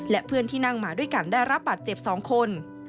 และเพื่อนที่นั่งมาด้วยกันได้รับบัตรเจ็บ๒คน